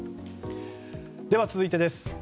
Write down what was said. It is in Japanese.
では、続いてです。